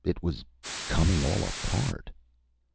It was coming all apart.